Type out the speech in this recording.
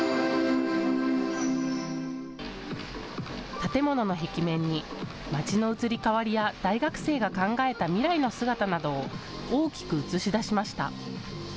建物の壁面に街の移り変わりや大学生が考えた未来の姿などを大きく映し出しました。